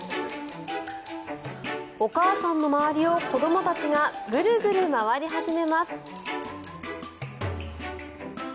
お母さんの周りを子どもたちがグルグル回り始めます。